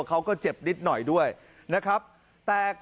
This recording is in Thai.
เขาก็เจ็บนิดหน่อยนะครับแต่กลับถูก